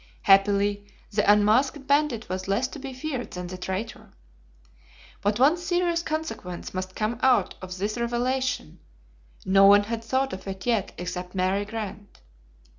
Happily the unmasked bandit was less to be feared than the traitor. But one serious consequence must come out of this revelation; no one had thought of it yet except Mary Grant.